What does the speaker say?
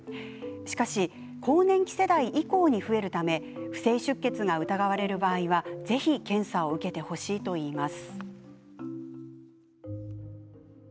しかし更年期世代以降に増えるため不正出血が疑われる場合はぜひ検査を受けてほしいといいます。